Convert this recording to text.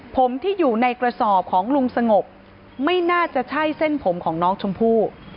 ผมที่อยู่ในกระสอบของลุงสงบไม่น่าจะใช่เส้นผมของน้องชมพู่